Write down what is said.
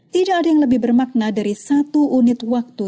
tidak ada yang lebih bermakna dari satu unit waktu